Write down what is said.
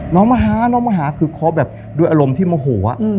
น้องมาหาคือครอบแบบด้วยอารมณ์ที่โมโหอะ